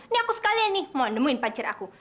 nih aku sekalian nih mau nemuin pancir aku